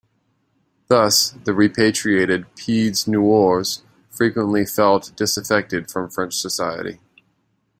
Thus, the repatriated "Pieds-Noirs" frequently felt "disaffected" from French society.